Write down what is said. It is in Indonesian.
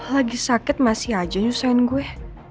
lagi sakit masih aja nyusahin gue